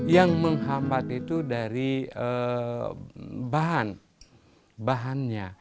yang menghambat itu dari bahan bahannya